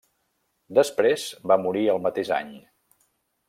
Després va morir el mateix any.